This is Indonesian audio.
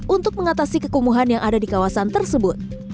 untuk mengatasi kekumuhan yang ada di kawasan tersebut